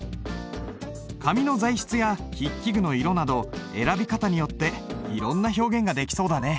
紙の材質や筆記具の色など選び方によっていろんな表現ができそうだね。